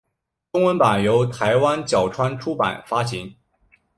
中文版由台湾角川出版发行。